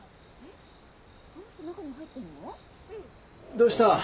どうした？